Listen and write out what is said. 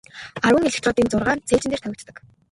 Арван электродын зургаа нь цээжин дээр тавигддаг.